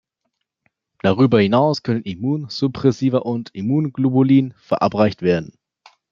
Darüber hinaus können Immunsuppressiva und Immunglobuline verabreicht werden.